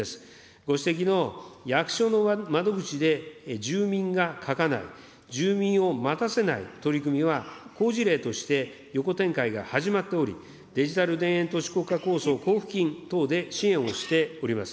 ご指摘の役所の窓口で住民が書かない、住民を待たせない取り組みは、好事例として横展開が始まっており、デジタル田園都市国家構想交付金等で支援をしております。